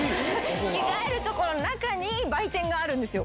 着替える所の中に売店があるんですよ。